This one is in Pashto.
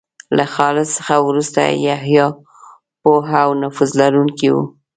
له خالد څخه وروسته یحیی پوه او نفوذ لرونکی و.